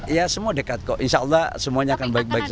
ya semua dekat kok insya allah semuanya akan baik baik saja